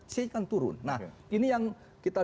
sejajar turun nah ini yang kita